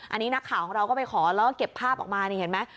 อันนี้นักข่าวของเราก็ไปขอแล้วก็เก็บภาพออกมานี่เห็นไหม